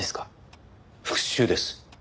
復讐です。